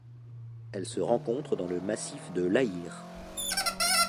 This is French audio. Elle se rencontre dans le massif de l'Aïr.